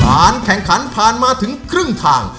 การแข่งขันผ่านมาถึงครึ่งทาง